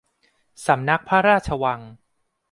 สำนักพระราชวัง